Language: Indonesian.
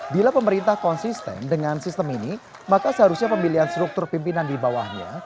bila pemerintah konsisten dengan sistem ini maka seharusnya pemilihan struktur pimpinan di bawahnya